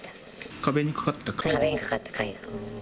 壁にかかった？